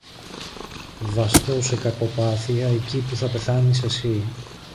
Βαστώ σε κακοπάθεια εκεί που θα πεθάνεις εσύ